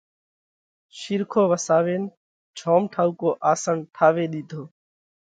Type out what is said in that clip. شِيرکون وساوينَ جوم ٺائُوڪو آسنَ ٺاوي ۮِيڌو۔